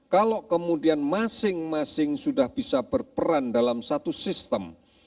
kalau kemudian masing masing sudah bisa berperan dalam satu sistem